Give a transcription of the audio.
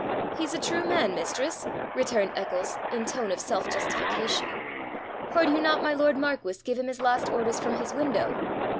'He's a true man, mistress,' returned Eccles, in tone of self justification. 'Heard you not my lord marquis give him his last orders from his window?'